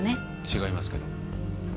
違いますけど。